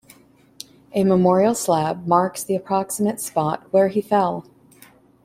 A memorial slab marks the approximate spot where he fell.